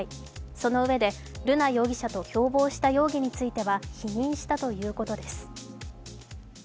そのうえで瑠奈容疑者と共謀した容疑については否認したということです。